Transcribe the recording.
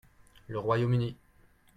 Le Royaume-Uni.